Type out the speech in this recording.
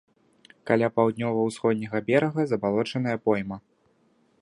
Каля паўднёва-ўсходняга берага забалочаная пойма.